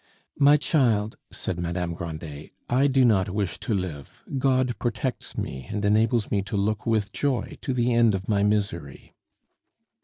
"My child," said Madame Grandet, "I do not wish to live. God protects me and enables me to look with joy to the end of my misery."